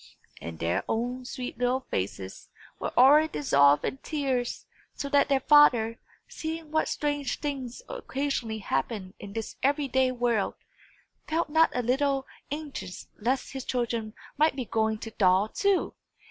And their own sweet little faces were already dissolved in tears; so that their father, seeing what strange things occasionally happen in this every day world, felt not a little anxious lest his children might be going to thaw too!